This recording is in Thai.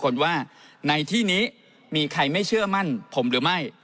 คนว่าในที่นี้มีใครไม่เชื่อมั่นผมหรือไม่